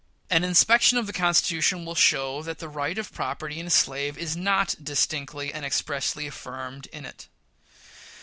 An inspection of the Constitution will show that the right of property in a slave is not "distinctly and expressly affirmed" in it.